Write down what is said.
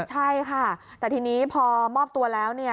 ใช่ค่ะแต่ทีนี้พอมอบตัวแล้ว